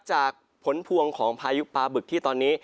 จากผลพวงของพายุปลาบึกที่ตอนนี้